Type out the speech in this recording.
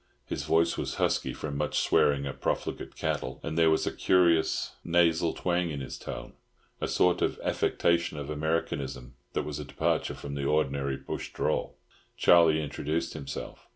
His voice was husky from much swearing at profligate cattle, and there was a curious nasal twang in his tone, a sort of affectation of Americanism that was a departure from the ordinary bush drawl. Charlie introduced himself.